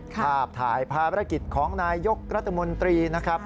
ภาพถ่ายภารกิจของนายยกรัฐมนตรีนะครับ